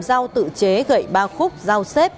dao tự chế gậy ba khúc dao xếp